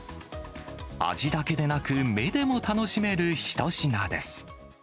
味だけでなく、目でも楽しめる一品です。